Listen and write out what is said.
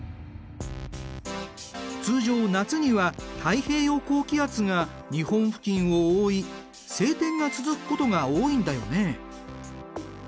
通常夏には太平洋高気圧が日本付近を覆い晴天が続くことが多いんだよね。